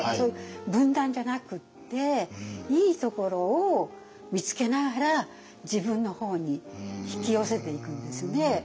分断じゃなくっていいところを見つけながら自分の方に引き寄せていくんですね。